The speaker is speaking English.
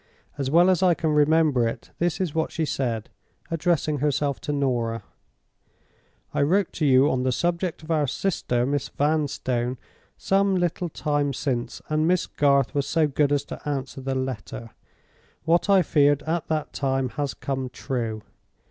As well as I can remember it, this is what she said, addressing herself to Norah: "'I wrote to you on the subject of your sister, Miss Vanstone, some little time since, and Miss Garth was so good as to answer the letter. What I feared at that time has come true.